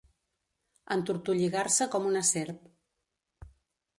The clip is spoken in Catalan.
Entortolligar-se com una serp.